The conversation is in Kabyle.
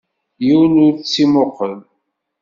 Yiwen ur tt-ittmuqqul.